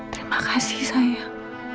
terima kasih sayang